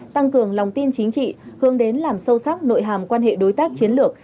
tăng cường lòng tin chính trị hướng đến làm sâu sắc nội hàm quan hệ đối tác chiến lược